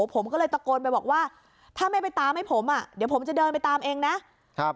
ผมก็เลยตะโกนไปบอกว่าถ้าไม่ไปตามให้ผมอ่ะเดี๋ยวผมจะเดินไปตามเองนะครับ